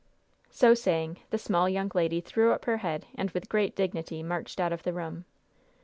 So saying, the small young lady threw up her head, and with great dignity marched out of the room.